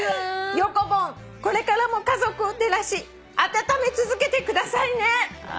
「ヨコボンこれからも家族を照らし温め続けてくださいね」